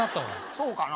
そうかな？